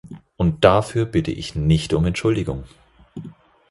Und dafür bitte ich nicht um Entschuldigung.